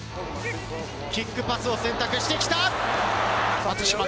キックパスを選択してきた！